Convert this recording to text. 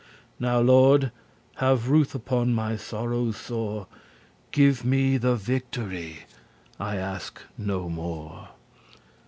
Now, lord, have ruth upon my sorrows sore, Give me the victory, I ask no more."